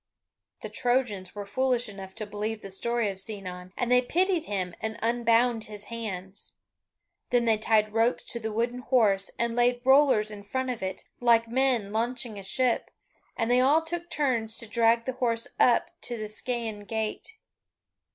The Trojans were foolish enough to believe the story of Sinon, and they pitied him and unbound his hands. Then they tied ropes to the wooden horse, and laid rollers in front of it, like men launching a ship, and they all took turns to drag the horse up to the Scaean gate.